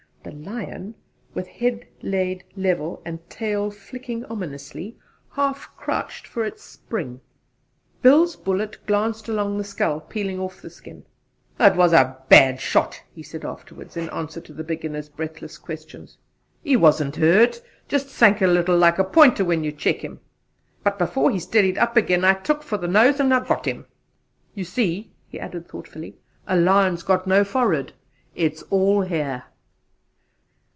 The lion, with head laid level and tail flicking ominously, half crouched for its spring. Bill's bullet glanced along the skull, peeling off the skin. "It was a bad shot," he said afterwards, in answer to the beginner's breathless questions. "He wasn't hurt: just sank a little like a pointer when you check him; but before he steadied up again I took for the nose and got him. You see," he added, thoughtfully, "a lion's got no forehead: it is all hair."